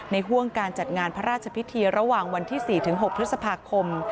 ห่วงการจัดงานพระราชพิธีระหว่างวันที่๔๖พฤษภาคม